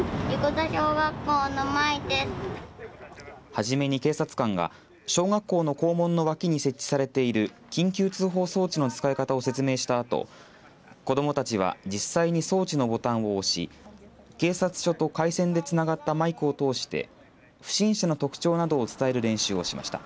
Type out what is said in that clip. はじめに警察官が小学校の校門の脇に設置されている緊急通報装置の使い方を説明したあと子どもたちは実際に装置のボタンを押し警察署と回線でつながったマイクを通して不審者の特徴などを伝える練習をしました。